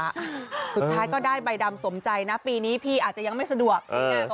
สุดท้ายก็ได้ใบดำสมใจนะปีนี้พี่อาจจะยังไม่สะดวกนี่ไง